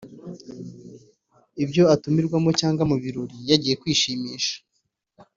ibyo atumirwamo cyangwa mu birori yagiye kwishimisha